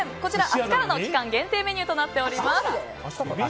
明日からの期間限定メニューとなっております。